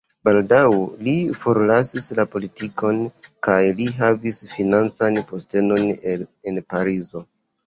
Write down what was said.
Baldaŭ li forlasis la politikon kaj li havis financan postenon en Parizo.